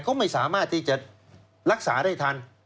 เขาไม่สามารถที่จะรักษาได้ทัน